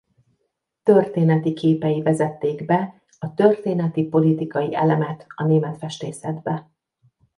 Történeti képei vezették be a történeti-politikai elemet a német festészetbe.